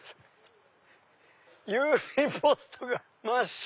郵便ポストが真っ白！